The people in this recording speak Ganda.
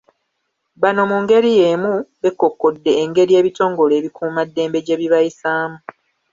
Bano mu ngeri y'emu bekkokkodde engeri ebitongole ebikuumaddembe gye bibayisaamu .